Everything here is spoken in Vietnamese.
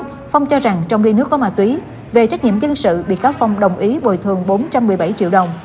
trần phong cho rằng trong ly nước có ma túy về trách nhiệm dân sự bị cáo phong đồng ý bồi thường bốn trăm một mươi bảy triệu đồng